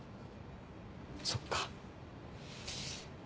そっか。